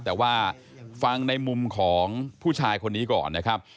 แต่ว่าฟังในมุมของผู้ชายคนนี้ก่อนนะครับ